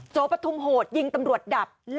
ปฐุมโหดยิงตำรวจดับ